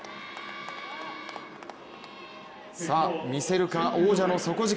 見せるか、王者の底力。